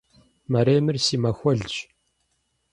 Мэремыр си махуэлщ.